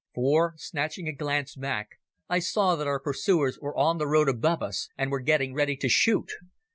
For, snatching a glance back, I saw that our pursuers were on the road above us and were getting ready to shoot.